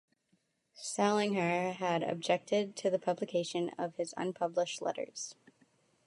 Salinger had objected to the publication of his unpublished letters.